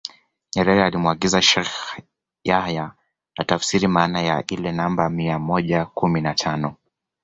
Nyerere alimuagiza Sheikh Yahya atafsiri maana ya ile namba mia moja kumi na tano